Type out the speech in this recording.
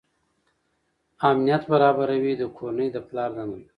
امنیت برابروي د کورنۍ د پلار دنده ده.